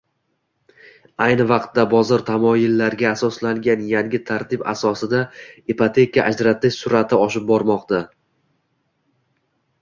Ayni vaqtda bozor tamoyillariga asoslangan yangi tartib asosida ipoteka ajratish surʼati oshib bormoqda.